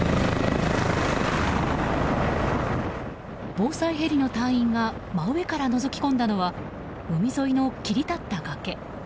防災ヘリの隊員が真上からのぞき込んだのは海沿いの切り立った崖。